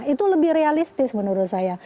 itu lebih realistis menurut saya